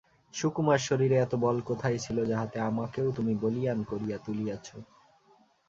সুকুমার শরীরে এত বল কোথায় ছিল যাহাতে আমাকেও তুমি বলীয়ান করিয়া তুলিয়াছ?